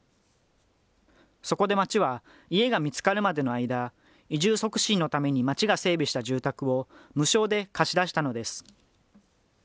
そこで町は、家が見つかるまでの間、移住促進のために町が整備した住宅を無償で貸し出したのです。